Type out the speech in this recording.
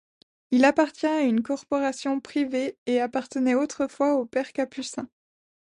Il appartient à une corporation privée, et appartenait autrefois aux pères Capucins.